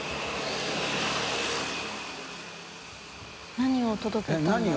何を届けたの？